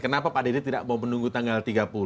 kenapa pak dede tidak mau menunggu tanggal tiga puluh